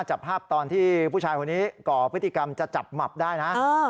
จับภาพตอนที่ผู้ชายคนนี้ก่อพฤติกรรมจะจับหมับได้นะ